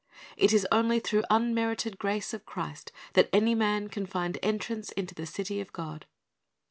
It is only through the unmerited grace of Christ that anv man can find entrance into the city of God.